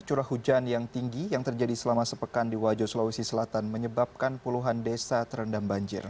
curah hujan yang tinggi yang terjadi selama sepekan di wajo sulawesi selatan menyebabkan puluhan desa terendam banjir